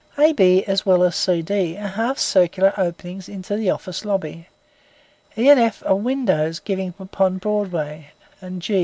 A. B., as well as C. D., are half circular openings into the office lobby. E. F. are windows giving upon Broadway, and G.